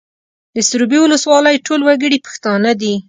د سروبي ولسوالۍ ټول وګړي پښتانه دي